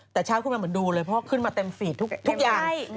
แต่เช้าขึ้นมาเหมือนดูเลยเพราะขึ้นมาเต็มฟีดทุกอย่าง